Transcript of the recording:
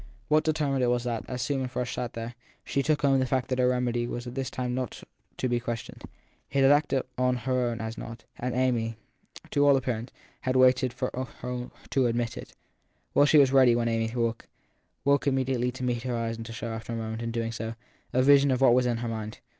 What determined it was that as Susan Frush sat there, she took home the fact that the remedy was by this time not to be questioned. It had acted as her own had not, and Amy, to all appearance, had only waited for her to admit it. Well, she was ready when Amy woke woke immediately to meet her eyes and to show, after a moment, in doing so, a vision of what was in her mind.